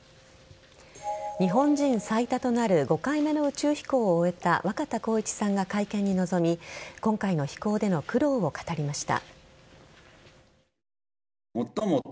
日本人最多となる５回目の宇宙飛行を終えた若田光一さんが会見に臨み今回の飛行での苦労を語りました。